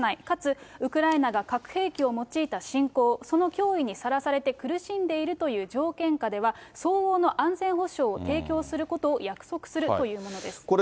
かつウクライナが核兵器を用いた侵攻、その脅威にさらされて苦しんでいるという条件下では、相応の安全保障を提供することを約束するというものです。